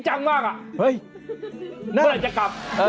โอ้โฮดูหน้าด้วยค่ะ